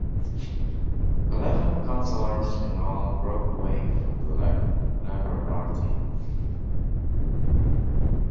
Eleven councillors in all broke away from the Labour Party.